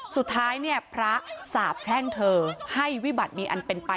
สุดท้ายเนี่ยพระสาบแช่งเธอให้วิบัติมีอันเป็นไป